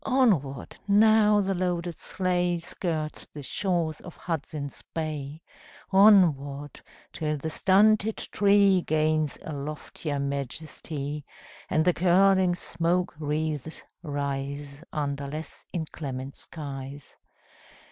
Onward! Now the loaded sleigh Skirts the shores of Hudson's Bay. Onward, till the stunted tree Gains a loftier majesty, And the curling smoke wreaths rise Under less inclement skies.